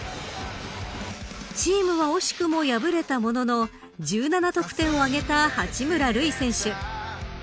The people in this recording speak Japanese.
チームは惜しくも敗れたものの１７得点を挙げた八村塁選手。